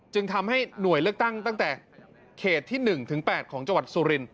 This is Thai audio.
จึงทำให้หน่วยเลือกตั้งตั้งแต่เขตที่๑ถึง๘ของจังหวัดสุริน